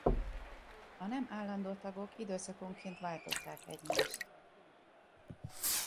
A nem állandó tagok időszakonként váltották egymást.